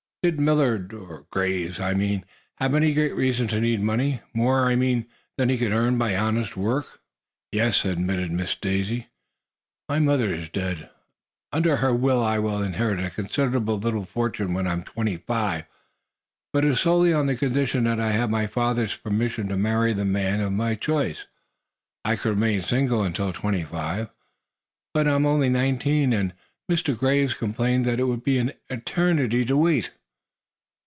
"Did Millard Graves, I mean, have any great reason to need money? More, I mean, than he could earn by honest work?" "Yes," admitted Miss Daisy. "My mother is dead. Under her will I inherit a considerable little fortune when I am twenty five. But it is solely on condition that I have my father's permission to marry the man of my choice. I could remain single until twenty five, but I am only nineteen, and Mr. Graves complained that it would be an eternity to wait."